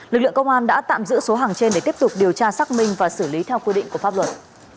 lực lượng công an đã tạm giữ số hàng trên để tiếp tục điều tra xác minh và xử lý theo quy định của pháp luật